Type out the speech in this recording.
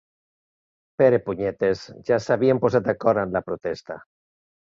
Perepunyetes ja s'havien posat d'acord en la protesta.